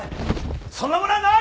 そんなものはない！